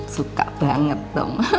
suka banget dong